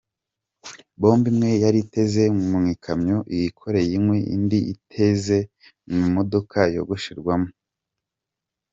Bombe imwe yari iteze mu ikamyo yikoreye inkwi, indi iteze mu modoka yogosherwamo.